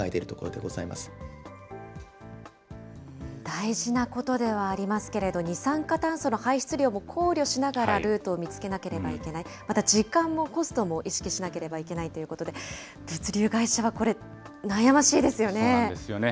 大事なことではありますけれども、二酸化炭素の排出量も考慮しながらルートを見つけなければいけない、また時間もコストも意識しなければいけないということで、物そうなんですよね。